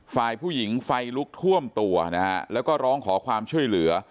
ฝ่ายผู้หญิงไฟลุกท่วมตัวนะฮะแล้วก็ร้องขอความช่วยเหลือ